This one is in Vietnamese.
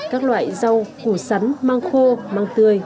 các loại rau củ sắn mang khô mang tươi